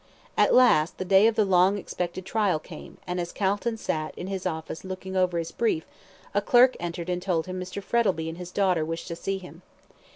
At last, the day of the long expected trial came, and as Calton sat in his office looking over his brief, a clerk entered and told him Mr. Frettlby and his daughter wished to see him.